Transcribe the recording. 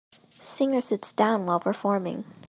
Singer sits down while performing.